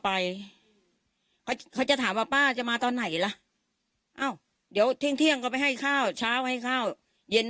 แล้วก็เอาข้าวมาให้เราบ่าก็ไปนอนบ้านปะอย่างเงี่ยไม่ได้มานอนเขาหรอก